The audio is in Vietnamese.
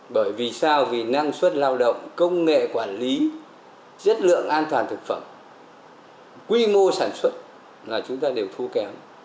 bởi vì sao vì năng suất lao động công nghệ quản lý chất lượng an toàn thực phẩm quy mô sản xuất là chúng ta đều thu kém